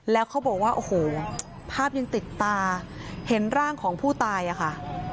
แล้วเขาบอกว่าโอ้โหภาพยังติดตาเห็นร่างของผู้ตายอะค่ะ